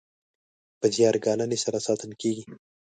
په زیار ګالنې سره ساتل کیږي.